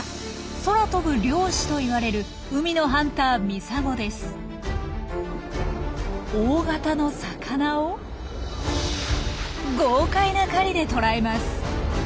「空飛ぶ漁師」といわれる海のハンター大型の魚を豪快な狩りで捕らえます。